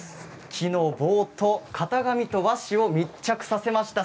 木の棒と型紙と和紙を密着させました。